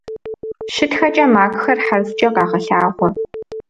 ЩытхэкӀэ макъхэр хьэрфкӀэ къагъэлъагъуэ.